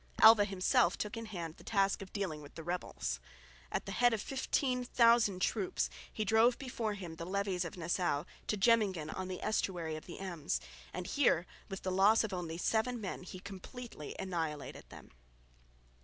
Alva himself took in hand the task of dealing with the rebels. At the head of 15,000 troops he drove before him the levies of Nassau to Jemmingen on the estuary of the Ems, and here with the loss of only seven men he completely annihilated them.